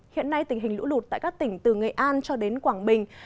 hiện nay tình hình lũ lụt tại các tỉnh từ nghệ an cho đến quảng bình